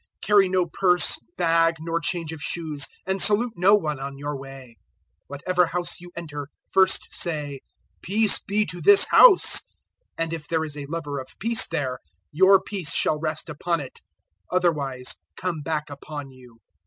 010:004 Carry no purse, bag, nor change of shoes; and salute no one on your way." 010:005 "Whatever house you enter, first say, `Peace be to this house!' 010:006 And if there is a lover of peace there, your peace shall rest upon it; otherwise come back upon you.